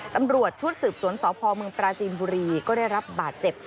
ตำรวจชุดสืบสวนสพเมืองปราจีนบุรีก็ได้รับบาดเจ็บ